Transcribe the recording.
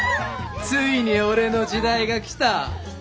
ついに俺の時代が来た。